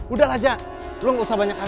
udah aja lo gak usah banyak banyak